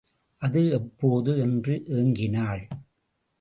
அது எப்போது? என்று ஏங்கினாள்.